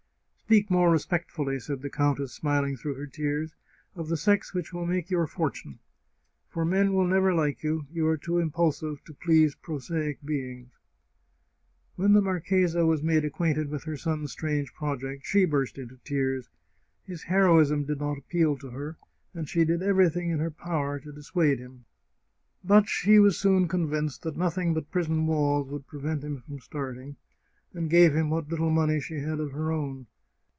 " Speak more respectfully," said the countess, smiling through her tears, " of the sex which will make your for tune. For men will never like you — you are too impulsive to please prosaic beings !" When the marchesa was made acquainted with her son's strange project she burst into tears. His heroism did not appeal to her, and she did everything in her power to dis suade him. But she was soon convinced that nothing but prison walls would prevent him from starting, and gave him 3g The Chartreuse of Parma what little money she had of her own.